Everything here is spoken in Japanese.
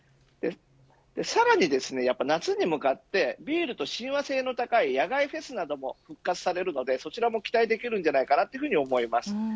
さらに、夏に向かってビールと親和性の高い野外フェスなども復活されるので、そこにも期待できるかと思います。